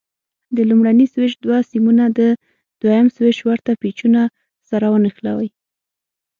د لومړني سویچ دوه سیمونه د دوه یم سویچ ورته پېچونو سره ونښلوئ.